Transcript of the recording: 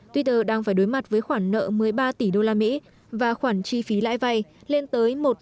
twitter đang phải đối mặt với khoản nợ một mươi ba tỷ đô la mỹ và khoản chi phí lãi vay lên tới một tỷ đô la mỹ mỗi năm